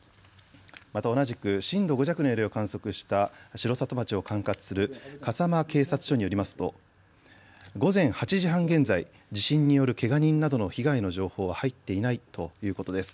また同じく震度５弱の揺れを観測した城里町を管轄する笠間警察署によりますと午前８時半現在、地震によるけが人などの被害の情報は入っていないということです。